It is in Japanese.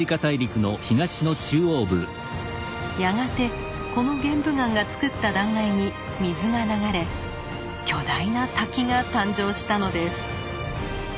やがてこの玄武岩がつくった断崖に水が流れ巨大な滝が誕生したのです。